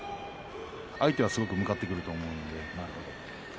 相手はすごく向かってくると思うので。